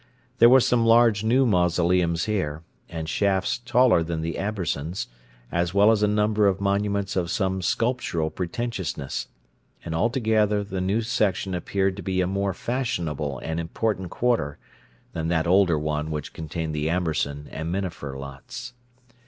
There were some large new mausoleums here, and shafts taller than the Ambersons', as well as a number of monuments of some sculptural pretentiousness; and altogether the new section appeared to be a more fashionable and important quarter than that older one which contained the Amberson and Minafer lots.